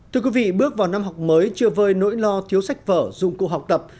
thưa quý vị bước vào năm học mới chưa vơi nỗi lo thiếu sách vở dụng cụ học tập